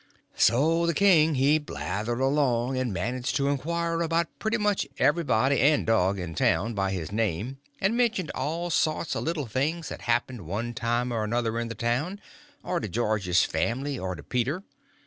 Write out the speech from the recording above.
So the king he blattered along, and managed to inquire about pretty much everybody and dog in town, by his name, and mentioned all sorts of little things that happened one time or another in the town, or to George's family, or to Peter.